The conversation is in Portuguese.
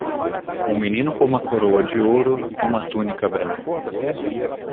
Um menino com uma coroa de ouro e uma túnica branca.